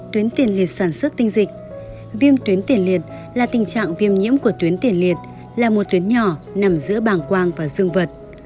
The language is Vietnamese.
tuyến tiền liệt sản xuất tinh dịch viêm tuyến tiền liệt là tình trạng viêm nhiễm của tuyến tiền liệt là một tuyến nhỏ nằm giữa bảng quang và dương vật